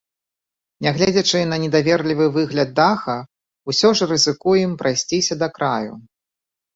Нягледзячы на недаверлівы выгляд даха, усё ж рызыкуем прайсціся да краю.